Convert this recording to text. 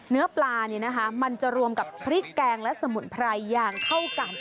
เนื้อปลามันจะรวมกับพริกแกงและสมุนไพรอย่างเข้ากัน